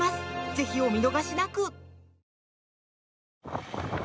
ぜひお見逃しなく。